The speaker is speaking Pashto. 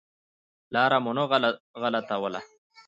لار مو نه غلطوله.